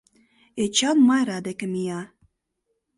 Эчан Майра деке мия.